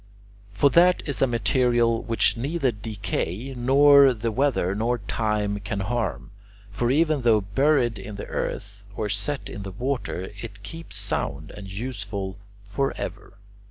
For that is a material which neither decay, nor the weather, nor time can harm, but even though buried in the earth or set in the water it keeps sound and useful forever.